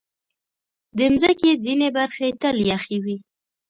د مځکې ځینې برخې تل یخې وي.